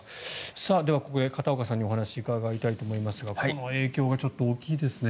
では、ここで片岡さんにお話を伺いたいと思いますがこの影響はちょっと大きいですね。